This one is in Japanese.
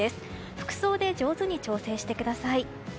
服装で上手に調整してください。